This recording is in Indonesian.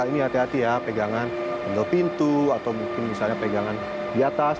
ini hati hati ya pegangan penggal pintu atau mungkin misalnya pegangan di atas